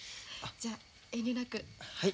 じゃ遠慮なく。